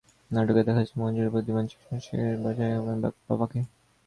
নাটকে দেখা যায়, মজনুর বুদ্ধিমান চালক চিকিৎসক সেজে বোকা বানায় গুলবদনের অর্ধশিক্ষিত বাবাকে।